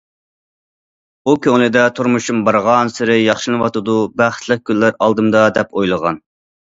ئۇ كۆڭلىدە تۇرمۇشۇم بارغانسېرى ياخشىلىنىۋاتىدۇ، بەختلىك كۈنلەر ئالدىمدا دەپ ئويلىغان.